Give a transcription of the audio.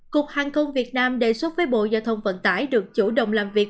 cục hàng không việt nam đề xuất với bộ giao thông vận tải được chủ động làm việc